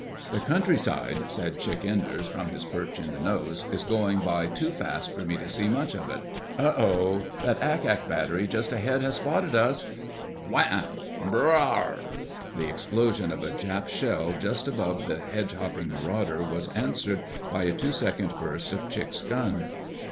"The countryside," said Chick Enders from his perch in the nose, "is going by too fast for me to see much of it. Oh oh! That ack ack battery just ahead has spotted us—" WHAMMM! BRRRRRRRRRR! The explosion of a Jap shell just above the hedgehopping Marauder was answered by a two second burst of Chick's gun.